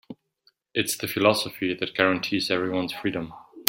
It's the philosophy that guarantees everyone's freedom.